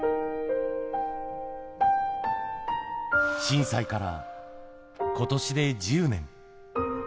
震災からことしで１０年。